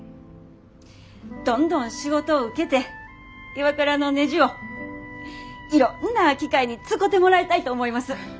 どんどん仕事を受けてＩＷＡＫＵＲＡのねじをいろんな機械に使てもらいたいと思います。